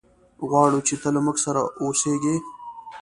غواړو چې ته له موږ سره اوسېږي.